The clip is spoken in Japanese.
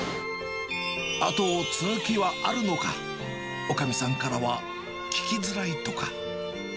後を継ぐ気はあるのか、おかみさんからは聞きづらいとか。